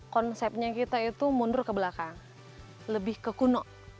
konsepnya kita itu mundur ke belakang lebih ke kuno